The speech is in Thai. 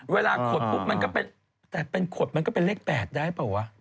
ขดปุ๊บมันก็เป็นแต่เป็นขดมันก็เป็นเลข๘ได้เปล่าวะ